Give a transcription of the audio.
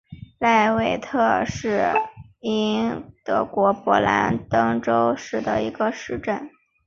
赖特韦因是德国勃兰登堡州的一个市镇。